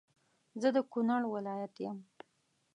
زه د کونړ ولایت يم